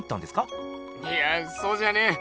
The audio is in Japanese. いやぁそうじゃねえ。